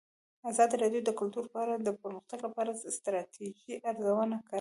ازادي راډیو د کلتور په اړه د پرمختګ لپاره د ستراتیژۍ ارزونه کړې.